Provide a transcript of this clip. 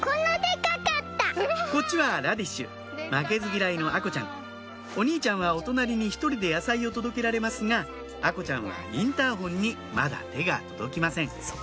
こっちはラディッシュ負けず嫌いの愛心ちゃんお兄ちゃんはお隣に１人で野菜を届けられますが愛心ちゃんはインターホンにまだ手が届きません